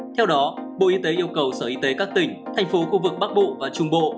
theo đó bộ y tế yêu cầu sở y tế các tỉnh thành phố khu vực bắc bộ và trung bộ